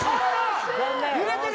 揺れてる。